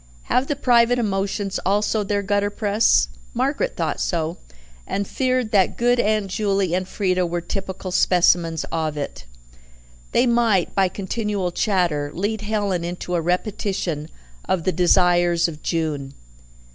Have the private emotions also their gutter press? Margaret thought so, and feared that good Aunt Juley and Frieda were typical specimens of it. They might, by continual chatter, lead Helen into a repetition of the desires of June.